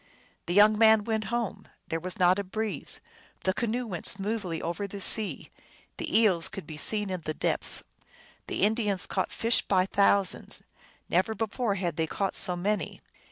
361 The young man went home ; there was not a breeze, the canoe went smoothly over the sea, the eels could be seen in the depths, the Indians caught fish by thousands; never before had they caught so many.